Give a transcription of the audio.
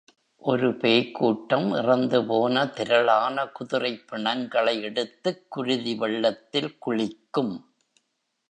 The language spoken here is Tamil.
ஒரு பேய்க் கூட்டம் இறந்து போன திரளான குதிரைப் பிணங்களை எடுத்துக் குருதி வெள்ளத்தில் குளிக்கும்.